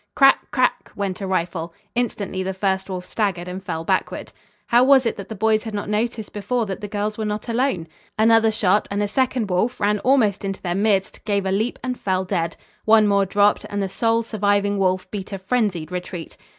"Crack, crack," went a rifle. Instantly the first wolf staggered and fell backward. How was it that the boys had not noticed before that the girls were not alone? Another shot and a second wolf ran almost into their midst, gave a leap and fell dead. One more dropped; and the sole surviving wolf beat a frenzied retreat.